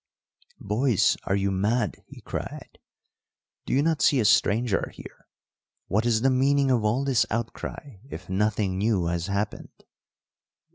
"Boys, are you mad!" he cried. "Do you not see a stranger here? What is the meaning of all this outcry if nothing new has happened?"